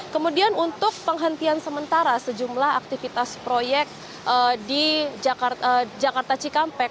kemudian untuk penghentian sementara sejumlah aktivitas proyek di jakarta cikampek